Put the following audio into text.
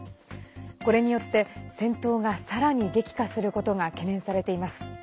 これによって戦闘がさらに激化することが懸念されています。